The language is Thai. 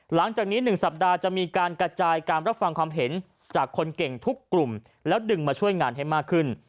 หลังจากนี้๑สัปดาห์จะมีการกระจายการรับฟังความเห็นจากคนเก่งทุกกลุ่มแล้วดึงมาช่วยงานให้มากขึ้น